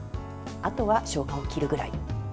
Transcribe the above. あとはしょうがを切るくらい。